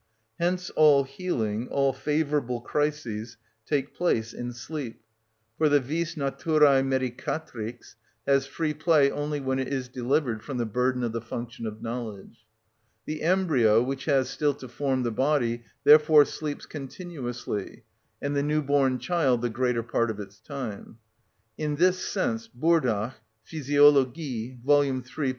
Hence all healing, all favourable crises, take place in sleep; for the vis naturæ medicatrix has free play only when it is delivered from the burden of the function of knowledge. The embryo which has still to form the body therefore sleeps continuously, and the new born child the greater part of its time. In this sense Burdach (Physiologie, vol. iii. p.